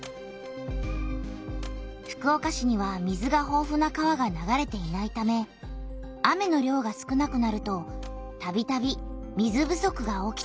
福岡市には水がほうふな川が流れていないため雨の量が少なくなるとたびたび水不足が起きていた。